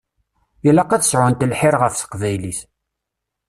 Ilaq ad sɛunt lḥir ɣef teqbaylit.